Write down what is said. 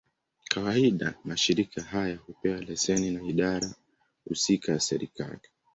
Kawaida, mashirika haya hupewa leseni na idara husika ya serikali.